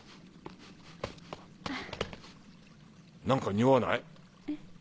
何かにおわない？